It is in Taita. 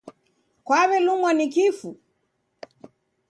Kwaw'elumwa ni kifu?